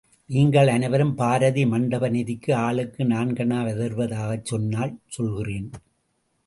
நீங்கள் அனைவரும் பாரதி மண்ட்ப நிதிக்கு ஆளுக்கு நான்கணா தருவதாகச் சொன்னால், சொல்கிறேன்.